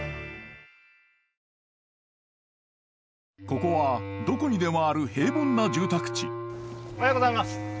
ここはどこにでもある平凡な住宅地おはようございます。